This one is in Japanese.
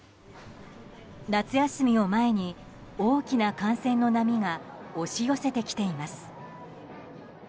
夏休みを前に大きな感染の波が押し寄せてきています。